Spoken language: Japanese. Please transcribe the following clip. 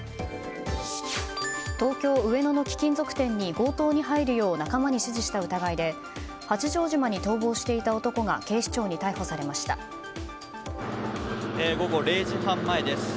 東京・上野の貴金属店に強盗に入るよう仲間に指示した疑いで八丈島に逃亡していた男が午後０時半前です。